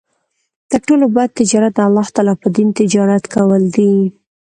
تر ټولو بَد تجارت د الله تعالی په دين تجارت کول دی